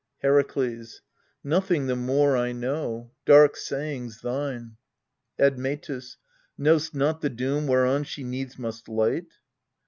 Herakles. Nothing the more I know : dark sayings thine. Admetus. Knowst not the doom whereon she needs must light?